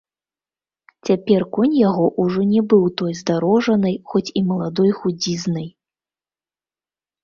Цяпер конь яго ўжо не быў той здарожанай, хоць і маладой, худзізнай.